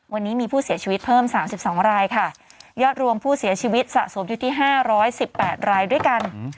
วันนี้มีผู้เสียชีวิตเพิ่มสามสิบสองรายค่ะยอดรวมผู้เสียชีวิตสะสมอยู่ที่ห้าร้อยสิบแปดรายด้วยกัน